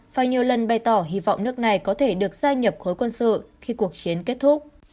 và nhiều lần bày tỏ hy vọng nước này có thể được gia nhập khối quân sự khi cuộc chiến kết thúc